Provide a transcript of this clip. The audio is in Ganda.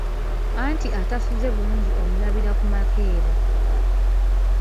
Anti atasuzze bulungi omulabira ku makeera.